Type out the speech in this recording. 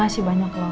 makasih banyak loh